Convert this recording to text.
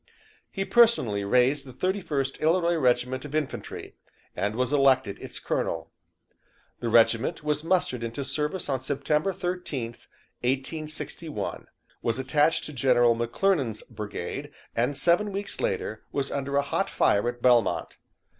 He personally raised the Thirty first Illinois Regiment of Infantry, and was elected its colonel. The regiment was mustered into service on September 13th, 1861, was attached to General M'Clernand's brigade, and seven weeks later was under a hot fire at Belmont.